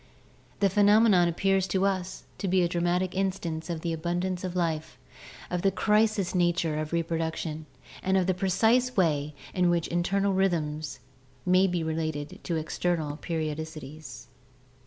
The phenomenon ap pears to us to be a dramatic instance of the abundance of life, of the crisis nature of reproduction, and of the precise way in which internal rhythms may be related to external periodicities."